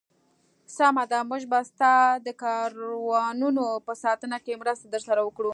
سمه ده، موږ به ستا د کاروانونو په ساتنه کې مرسته درسره وکړو.